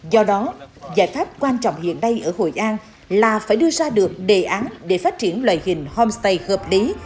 do đó giải pháp quan trọng hiện nay ở hội an là phải đưa ra được đề án để phát triển loại hình homestay hợp lý